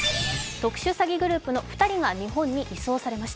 特殊詐欺グループの２人が日本に移送されました。